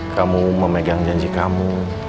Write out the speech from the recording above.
kamu memegang janji kamu